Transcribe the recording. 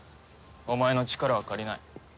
お前の力は借りない。